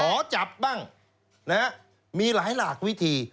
ขอจับบ้างมีหลายหลากวิธี